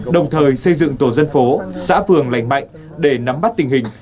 đồng thời xây dựng tổ dân phố xã phường lành mạnh để nắm bắt tình hình